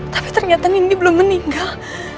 tapi ternyata nindi belum meninggal